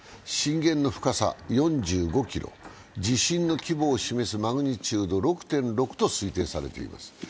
震源の深さ４５ｋｍ、地震の規模を示すマグニチュード６．６と推定されています。